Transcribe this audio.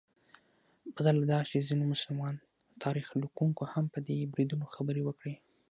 بده لا دا چې ځینو مسلمان تاریخ لیکونکو هم په دې بریدونو خبرې وکړې.